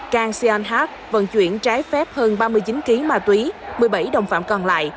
kang sean hack vận chuyển trái phép hơn ba mươi chín kg ma túy một mươi bảy đồng phạm còn lại